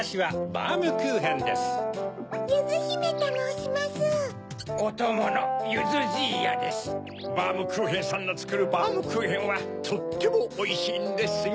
バームクーヘンさんのつくるバームクーヘンはとってもおいしいんですよ！